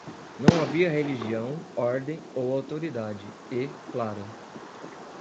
Não havia religião, ordem ou autoridade e... claro!